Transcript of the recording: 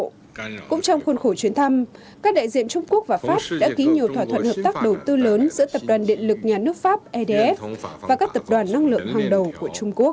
cũng trong khuôn khổ chuyến thăm các đại diện trung quốc và pháp đã ký nhiều thỏa thuận hợp tác đầu tư lớn giữa tập đoàn điện lực nhà nước pháp edf và các tập đoàn năng lượng hàng đầu của trung quốc